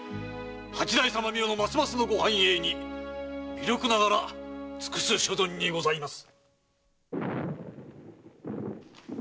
八代様御代のますますのご繁栄に微力ながら尽くす所存にございます。